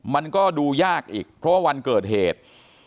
มันก็ดูยากอีกเพราะว่าวันเกิดเหตุ